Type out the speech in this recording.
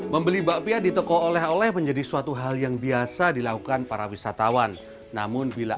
membeli bakpia di toko oleh oleh menjadi suatu hal yang biasa dilakukan para wisatawan namun bila